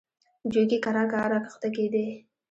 جوګي کرار کرار را کښته کېدی.